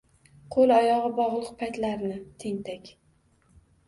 Qo‘l-oyog‘i bog‘liq paytlarni, tentak!